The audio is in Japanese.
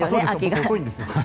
僕、遅いんですよ。